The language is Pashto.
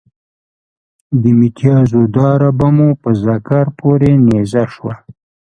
د متیازو داره به مو په ذکر پورې نیزه شوه.